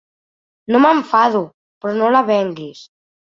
- No m'enfado, però no la venguis